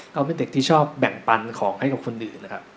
เขาเป็นเด็กที่ชอบแบ่งปันของให้กับคนอื่นนะครับ